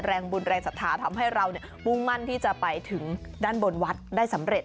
แรงบุญแรงศรัทธาทำให้เรามุ่งมั่นที่จะไปถึงด้านบนวัดได้สำเร็จ